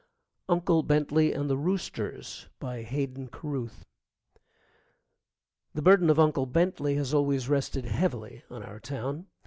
UNCLE BENTLEY AND THE ROOSTERS BY HAYDEN CARRUTH The burden of Uncle Bentley has always rested heavily on our town.